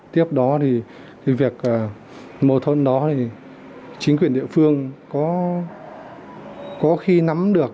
tiếp đó thì việc mâu thuẫn đó thì chính quyền địa phương có khi nắm được